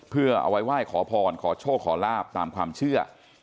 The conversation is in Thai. เพื่อเอาไว้ไหว้ขอพรขอโชคขอลาบตามความเชื่อ